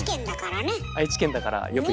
愛知県だからね。